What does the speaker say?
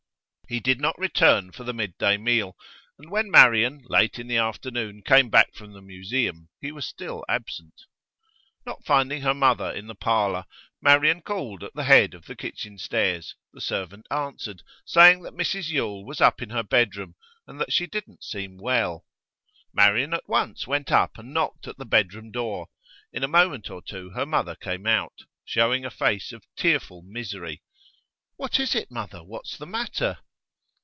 He did not return for the mid day meal, and when Marian, late in the afternoon, came back from the Museum, he was still absent. Not finding her mother in the parlour, Marian called at the head of the kitchen stairs. The servant answered, saying that Mrs Yule was up in her bedroom, and that she didn't seem well. Marian at once went up and knocked at the bedroom door. In a moment or two her mother came out, showing a face of tearful misery. 'What is it, mother? What's the matter?